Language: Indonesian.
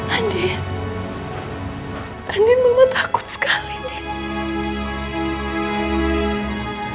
andin andin mama takut sekali nih